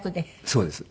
そうです。